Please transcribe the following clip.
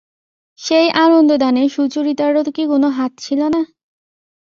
সেই আনন্দদানে সুচরিতারও কি কোনো হাত ছিল না?